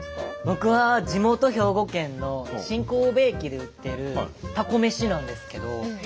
僕は地元兵庫県の新神戸駅で売ってるたこ飯なんですけど。